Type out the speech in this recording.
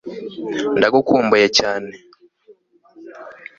Ndagukumbuye cyane